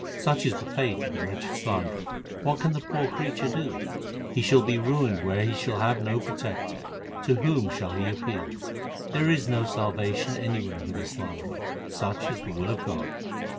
Such is the fate of the wretched slanderer : what can the poor creature do ? He shall be ruined where he shall have no protector : to whom shall he appeal ? There is no salvation anywhere for the slanderer : such is the will of God.